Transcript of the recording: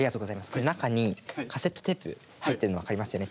これ中にカセットテープ入ってるの分かりますよね。